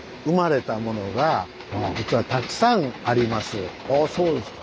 そしてああそうですか。